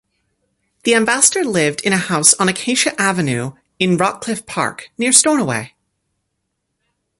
The ambassador lived in a house on Acacia Avenue in Rockcliffe Park, near Stornoway.